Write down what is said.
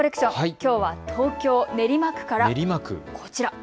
きょうは東京練馬区から。